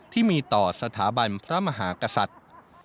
ที่มีต่อสถาบันพระมหากษัตริย์